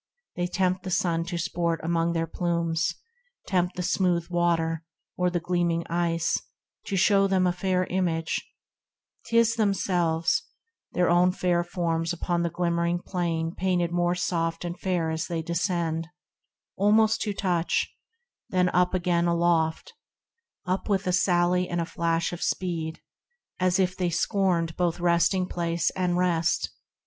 16 THE RECLUSE They tempt the sun to sport among their plumes ; Tempt the smooth water, or the gleaming ice, To show them a fair image, — 'tis themselves, Their own fair forms upon the glimmering plain Painted more soft and fair as they descend, Almost to touch,— then up again aloft, Up with a sally and a flash of speed, As if they scorned both resting place and rest